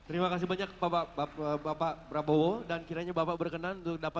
rakyat dan bangsa kita